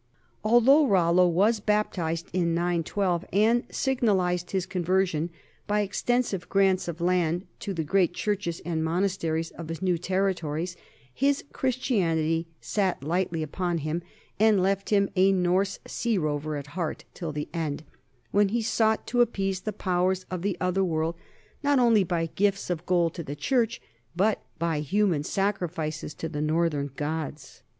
Although Rollo was baptized in 912 and signalized his conversion by extensive grants of land to the great churches and monasteries of his new territories, his Christianity sat lightly upon him and left him a Norse sea rover at heart till the end, when he sought to ap pease the powers of the other world, not only by gifts 46 NORMANS IN EUROPEAN HISTORY of gold to the church, but by human sacrifices to the northern gods.